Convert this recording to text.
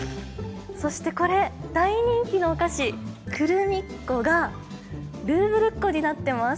そしてこれ大人気のお菓子「クルミッ子」が「ルーヴルッ子」になってます。